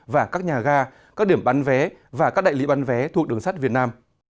và các nhà ga các điểm bán vé và các đại lý bán vé thuộc đường sắt việt nam